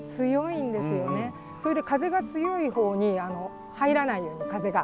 それで風が強いほうに入らないように風が。